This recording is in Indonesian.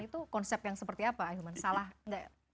itu konsep yang seperti apa ayuman